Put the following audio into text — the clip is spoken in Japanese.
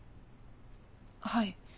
はい。